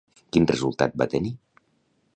Quin resultat va tenir?